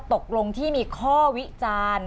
ตกลงที่มีข้อวิจารณ์